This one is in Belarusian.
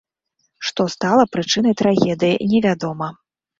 Што стала прычынай трагедыі, невядома.